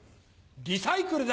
リサイクルだ！